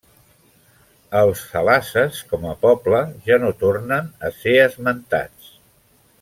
Els salasses com a poble ja no tornen a ser esmentats.